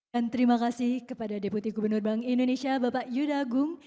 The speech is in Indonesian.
dan terima kasih kepada deputi gubernur bank indonesia bapak yuda agung